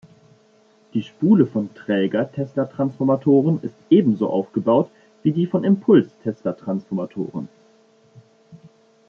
Die Spule von Träger-Teslatransformatoren ist ebenso aufgebaut wie die von Impuls-Teslatransformatoren.